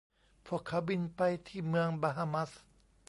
พวกเขาบินไปที่เมืองบาฮามัส